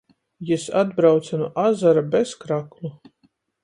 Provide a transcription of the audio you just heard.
Jis atbrauce nu azara bez kraklu.